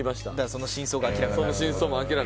その真相が明らかになる。